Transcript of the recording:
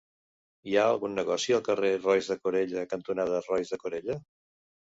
Hi ha algun negoci al carrer Roís de Corella cantonada Roís de Corella?